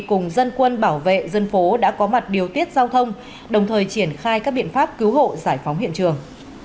cùng dân quân bảo vệ dân phố đã có mặt điều tiết giao thông đồng thời triển khai các biện pháp cứu hộ giải phóng hiện trường